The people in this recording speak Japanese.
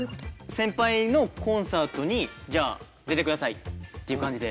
先輩のコンサートにじゃあ出てくださいっていう感じで。